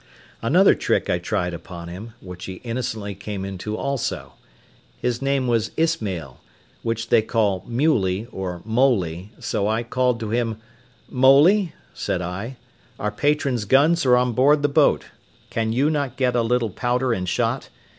Another trick I tried upon him, which he innocently came into also: his name was Ismael, which they call Muley, or Moely; so I called to him—"Moely," said I, "our patron's guns are on board the boat; can you not get a little powder and shot?